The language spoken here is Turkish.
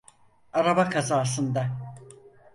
Araba kazasında.